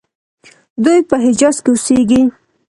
دوی په حجاز کې اوسیږي.